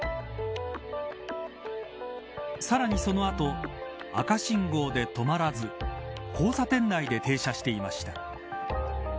さらにその後赤信号で止まらず交差点内で停車していました。